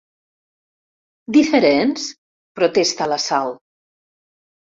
¿Diferents?, protesta la Sal.